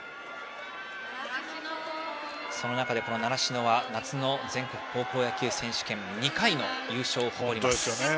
その中で習志野は夏の全国高校野球選手権２回の優勝を誇ります。